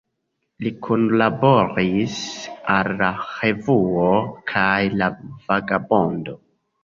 Li kunlaboris al La Revuo kaj La Vagabondo.